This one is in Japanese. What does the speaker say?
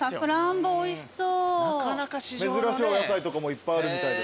珍しいお野菜とかもいっぱいあるみたいです。